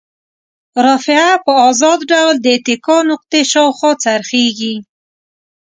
رافعه په ازاد ډول د اتکا نقطې شاوخوا څرخیږي.